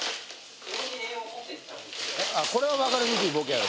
これはわかりにくいボケやろ。